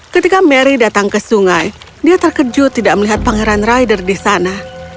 ketika mary datang ke sungai dia terkejut tidak melihat pangeran rider di sana